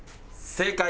正解！